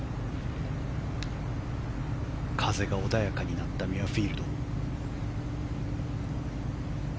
風が穏やかになったミュアフィールド。